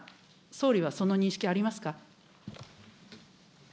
総理はその認識ありますか。